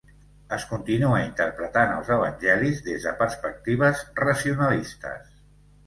Es continua interpretant els Evangelis des de perspectives racionalistes.